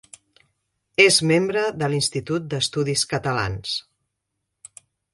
És membre de l'Institut d'Estudis Catalans.